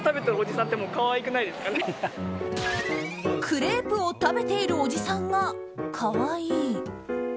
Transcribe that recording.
クレープを食べているおじさんが可愛い。